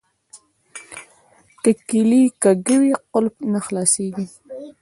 که کیلي کږه وي قلف نه خلاصیږي.